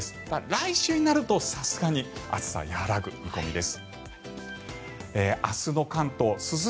来週になると、さすがに暑さ和らぐ見込みです。